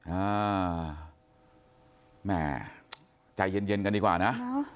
อ่าแม่ใจเย็นเย็นกันดีกว่านะ